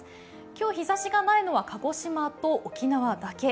今日、日ざしがないのは鹿児島と沖縄だけ。